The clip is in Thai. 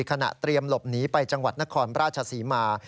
เตรียมหลบหนีไปจังหวัดนครราชศรีมา